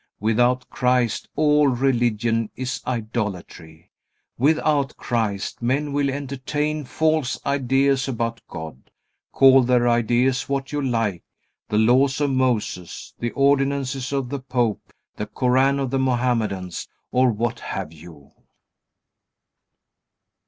Without Christ all religion is idolatry. Without Christ men will entertain false ideas about God, call their ideas what you like, the laws of Moses, the ordinances of the Pope, the Koran of the Mohammedans, or what have you.